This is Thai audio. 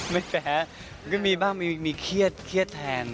ไม่แพ้ก็มีบ้างมีเครียดเครียดแทน